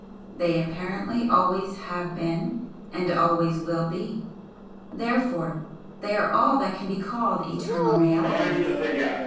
They apparently always HAVE BEEN, and always WILL be, therefore they are all that can be called 'eternal realities.'